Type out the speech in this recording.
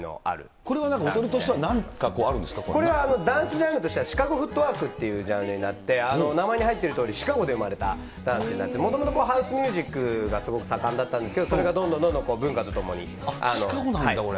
これはなんか、踊りとしてはこれ、ダンスジャンルとしては、シカゴフットワークというジャンルになって、名前に入ってるとおり、シカゴで生まれたダンスになって、もともとハウスミュージックがすごく盛んだったんですけど、それがどんどんどんどん文化とともに。